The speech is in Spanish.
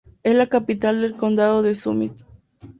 Es la capital del condado de Summit.